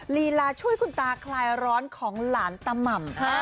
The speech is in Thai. ลีลาช่วยคุณตาคลายร้อนของหลานตาม่ำ